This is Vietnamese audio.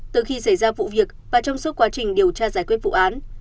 từ khi xảy ra vụ việc và trong suốt quá trình điều tra giải quyết vụ án